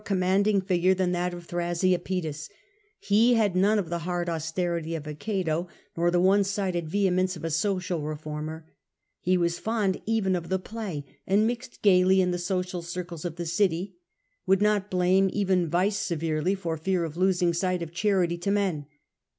commanding figure than that of Thrasea Paetus. He had The charac none of the hard austerity of a Cato nor the of*Thrasea^ one sided vehemence of a social reformer ; he Paetus. was fond even of the play, and mixed gaily in the social circles of the city; would not blame even vice severely, for fear of losing sight of charity to men.